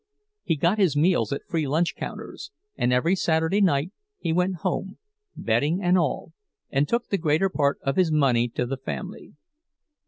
He got his meals at free lunch counters, and every Saturday night he went home—bedding and all—and took the greater part of his money to the family.